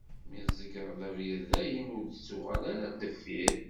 Mi tzegreḍ abrid dayen, ur d-ttuɣal ara ɣer deffir.